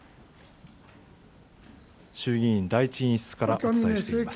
衆議院第１委員室からお伝えしています。